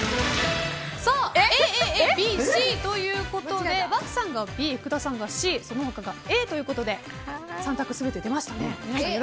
Ａ、Ａ、Ａ、Ｂ、Ｃということで漠さんがＢ、福田さんがＣその他がＡということで三択全て出ましたね。